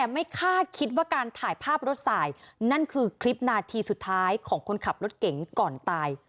ไม่คาดคิดว่าการถ่ายภาพรถสายนั่นคือคลิปนาทีสุดท้ายของคนขับรถเก่งก่อนตาย